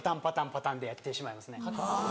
パタンでやってしまいますね。